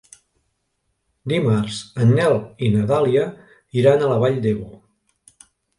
Dimarts en Nel i na Dàlia iran a la Vall d'Ebo.